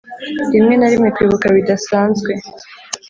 rimwe na rimwe, kwibuka bidasanzwe-